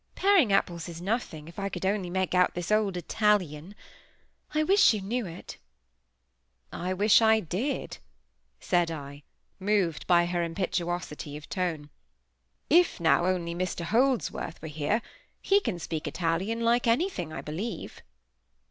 Paring apples is nothing, if I could only make out this old Italian. I wish you knew it." "I wish I did," said I, moved by her impetuosity of tone. "If, now, only Mr Holdsworth were here; he can speak Italian like anything, I believe."